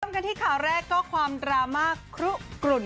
เริ่มกันที่ข่าวแรกก็ความดราม่ากลุ่น